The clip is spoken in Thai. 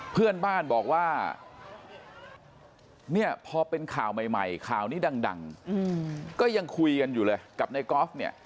เพื่อนบ้านบอกว่าเนี่ยพอเป็นข่าวใหม่ข่าวนี้ดังก็ยังคุยกันอยู่เลยกับในกอล์ฟเนี่ย